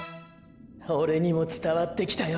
オレにも伝わってきたよ